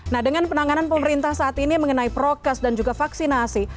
nah dengan penanganan pemerintah saat ini mengenai prokes dan juga vaksinasi